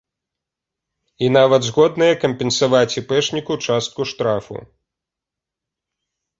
І нават згодныя кампенсаваць іпэшніку частку штрафу.